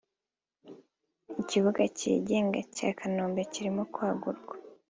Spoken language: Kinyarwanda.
ikibuga cy’ingege cya Kanombe kirimo kwagurwa